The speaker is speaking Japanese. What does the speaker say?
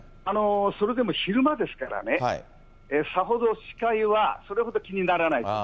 それでも昼間ですからね、さほど視界はそれほど気にならないと。